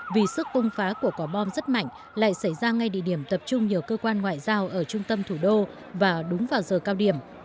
vì sức cung phá của quả bom rất mạnh lại xảy ra ngay địa điểm tập trung nhiều cơ quan ngoại giao ở trung tâm thủ đô và đúng vào giờ cao điểm